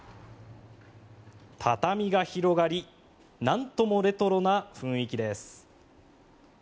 畳が広がりなんともレトロな雰囲気です。